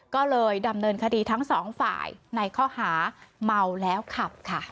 ก็เลยดำเนินคดีทั้งสองฝ่ายในข้อหาเมาแล้วขับค่ะ